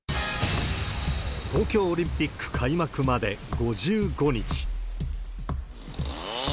東京オリンピック開幕まで５５日。